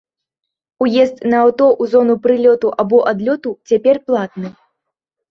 Уезд на аўто ў зону прылёту або адлёту цяпер платны.